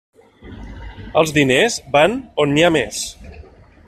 Els diners van on n'hi ha més.